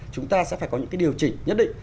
chúng ta sẽ phải có những cái điều chỉnh nhất định